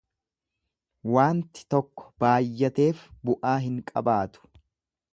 Waanti tokko baayyateef bu'aa hin qabaatu.